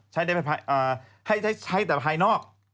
ใช้แต่ไพนอก